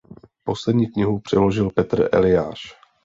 Poslední knihu přeložil Petr Eliáš.